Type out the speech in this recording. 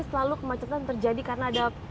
selalu kemacetan terjadi karena ada